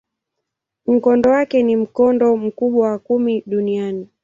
Mkondo wake ni mkondo mkubwa wa kumi duniani.